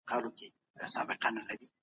خلک په کوڅو کې پرېوتل.